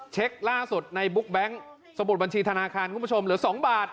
เช็คล่าสุดในบุ๊กแบงค์สมุดบัญชีธนาคารคุณผู้ชมเหลือ๒บาท